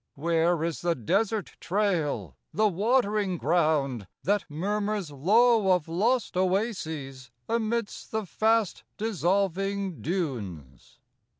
Where is the desert trail, the watering ground That murmurs low of lost oases amidst the fast dissolving dunes?